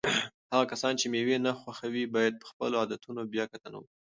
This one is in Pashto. هغه کسان چې مېوې نه خوښوي باید په خپلو عادتونو بیا کتنه وکړي.